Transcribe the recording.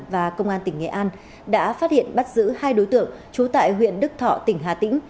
và công an tỉnh nghệ an đã phát hiện bắt giữ hai đối tượng trú tại huyện đức thọ tỉnh hà tĩnh